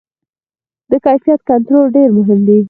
د کیفیت کنټرول ډېر مهم دی.